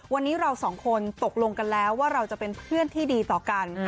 วันนี้เราสองคนตกลงกันแล้วว่าเราจะเป็นเพื่อนที่ดีต่อกัน